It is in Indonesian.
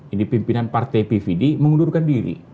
ini pimpinan partai pvd mengundurkan diri